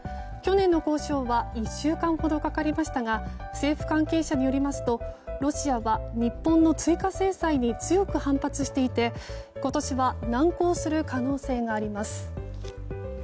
去年の交渉は１週間ほどかかりましたが政府関係者によりますとロシアは日本の追加制裁に強く反発していて、今年は難航する可能性があります。